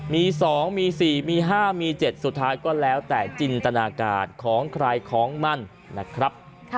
มี๒มี๔มี๕มี๗สุดท้ายก็แล้วแต่จินตนาการของใครของมันนะครับ